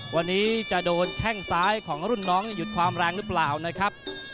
วันนี้จะโดนแข้งซ้ายของรุ่นน้องหยุดความแรงหรือเปล่านะครับ